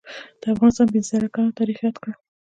دافغانستان پنځه زره کلن تاریخ یاد کړه